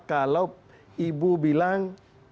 kalau ibu bilang